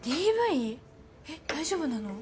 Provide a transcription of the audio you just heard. えっ大丈夫なの？